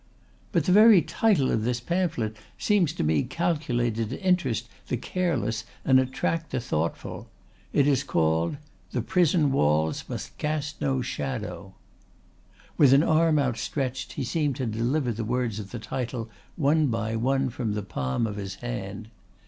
"But the very title of this pamphlet seems to me calculated to interest the careless and attract the thoughtful. It is called The Prison Walls must Cast no Shadow." With an arm outstretched he seemed to deliver the words of the title one by one from the palm of his hand.